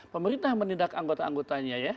pemerintah menindak anggota anggota nya ya